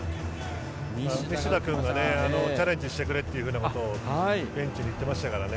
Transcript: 西田君がチャレンジしてくれということをベンチに言ってましたからね。